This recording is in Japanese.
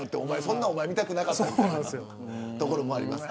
そんなおまえ見たくなかったみたいなところもあります。